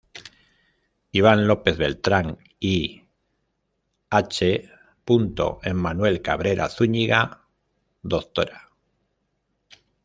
Iván López Beltran y H. Emanuel Cabrera Zuñiga, Dra.